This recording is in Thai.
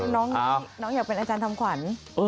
น้องอยากเป็นอาจารย์ทำขวัญ